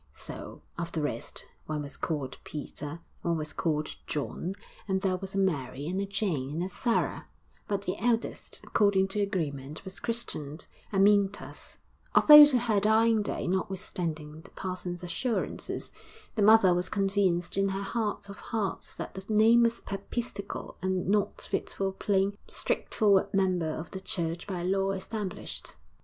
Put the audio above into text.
So, of the rest, one was called Peter, and one was called John, and there was a Mary, and a Jane, and a Sarah; but the eldest, according to agreement, was christened Amyntas, although to her dying day, notwithstanding the parson's assurances, the mother was convinced in her heart of hearts that the name was papistical and not fit for a plain, straightforward member of the church by law established.